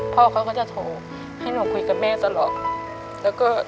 พ่อเค้าก็จะโทรกาให้นุ่งคุยกับแม่ตลอด